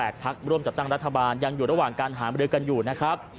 ได้จัดตั้งรัฐบาลกับที่ดี